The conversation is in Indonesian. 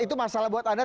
itu masalah buat anda